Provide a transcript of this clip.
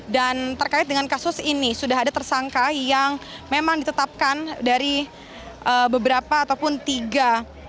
dan terkait dengan kasus ini sudah ada tersangka yang memang ditetapkan dari beberapa ataupun tiga